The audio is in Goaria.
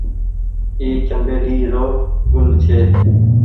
اي چمبيلي رو گل ڇي۔